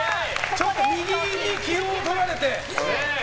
ちょっと右に気を取られて。